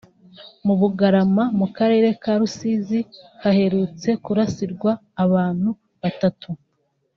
Mu Bugarama mu Karere ka Rusizi haherutse kurasirwa abantu batatu